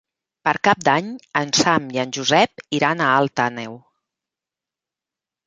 Per Cap d'Any en Sam i en Josep iran a Alt Àneu.